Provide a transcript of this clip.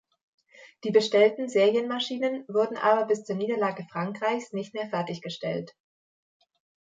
Die bestellten Serienmaschinen wurden aber bis zur Niederlage Frankreichs nicht mehr fertiggestellt.